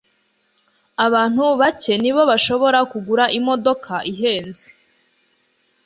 Abantu bake ni bo bashobora kugura imodoka ihenze.